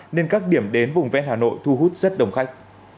nên các điểm đến vùng ven hà nội thu hút rất đông khách